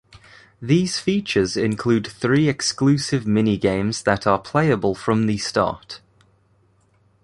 These features include three exclusive minigames that are playable from the start.